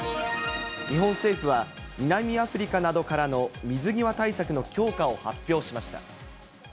日本政府は、南アフリカなどからの水際対策の強化を発表しました。